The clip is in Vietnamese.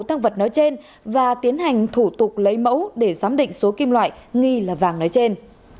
tăng vật nói trên và tiến hành thủ tục lấy mẫu để giám định số kim loại nghi là vàng nói trên